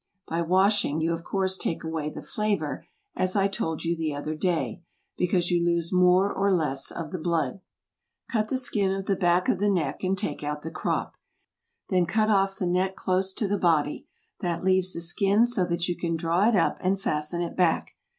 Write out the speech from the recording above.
By washing, you of course take away the flavor, as I told you the other day, because you lose more or less of the blood. Cut the skin of the back of the neck and take out the crop, then out off the neck close to the body, that leaves the skin so that you can draw it up and fasten it back.